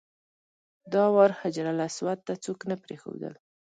دا وار حجرالاسود ته څوک نه پرېښودل.